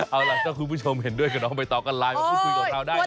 เอาล่ะถ้าคุณผู้ชมเห็นด้วยกับน้องใบตองก็ไลน์มาพูดคุยกับเราได้